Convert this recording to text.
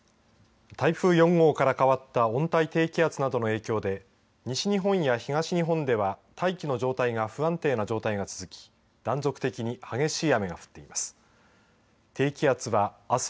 台風４号から変わった温帯低気圧などの影響で西日本や東日本では大気の状態が不安定な状態が続き断続的に激しい雨が降っています。